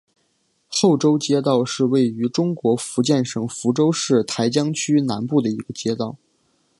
后洲街道是位于中国福建省福州市台江区南部的一个街道。